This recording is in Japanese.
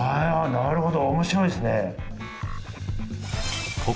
なるほど。